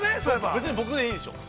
◆別に僕はいいでしょう。